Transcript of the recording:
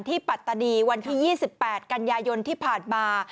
ปัตตานีวันที่๒๘กันยายนที่ผ่านมา